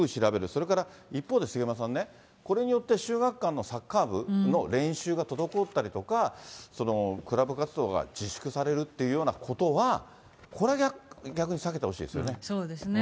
それから一方で、杉山さんね、これによって、秀岳館のサッカー部の練習が滞ったりとか、クラブ活動が自粛されるっていうようなことは、これは逆に避けてそうですね。